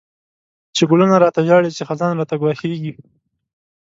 چی ګلونه ړاته ژاړی، چی خزان راته ګواښيږی